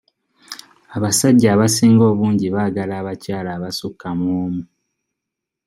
Abasajja abasinga obungi baagala abakyala abasukka mu omu.